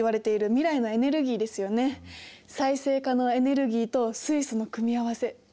再生可能エネルギーと水素の組み合わせ可能性を感じます。